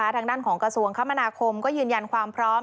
ทางด้านของกระทรวงคมนาคมก็ยืนยันความพร้อม